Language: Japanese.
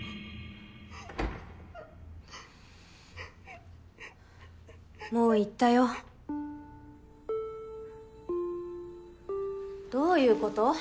ううもう行ったよどういうこと？